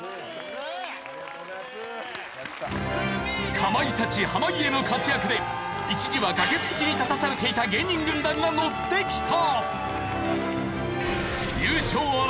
かまいたち濱家の活躍で一時は崖っぷちに立たされていた芸人軍団がノッてきた！